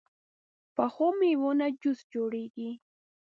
پخو میوو نه جوس جوړېږي